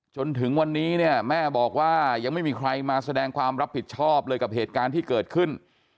จนถึงวันนี้เนี่ยแม่บอกว่ายังไม่มีใครมาแสดงความรับผิดชอบเลยกับเหตุการณ์ที่เกิดขึ้น